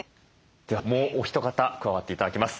ではもうお一方加わって頂きます。